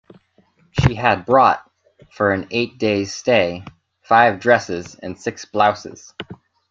She had brought, for an eight-days’ stay, five dresses and six blouses.